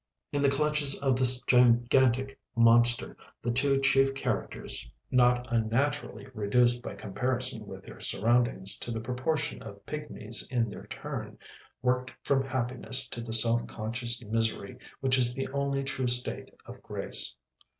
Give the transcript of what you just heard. In the clutches of this gigantic monster, the two chief characters not unnaturally reduced by comparison with their surroundings to the proportion of pygmies in their turn, worked from happiness to the self conscious misery which is the only true state of grace.